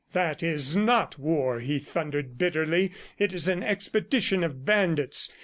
"That is NOT war!" he thundered bitterly. "It is an expedition of bandits.